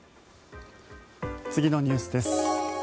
次のニュースです。